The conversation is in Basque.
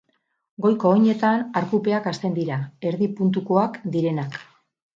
Goiko oinetan arkupeak hasten dira, erdi-puntukoak direnak.